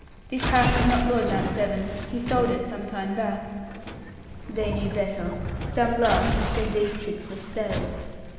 This house is not Lord Mount Severn's; he sold it some time back." They knew better. Some laughed, and said these tricks were stale.